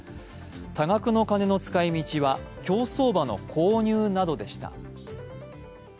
多額の金の使い道は競走馬の購入などでした。